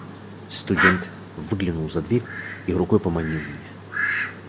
Студент выглянул за дверь и рукой поманил меня.